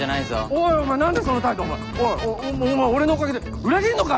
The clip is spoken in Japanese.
おいお前俺のおかげで裏切んのか！？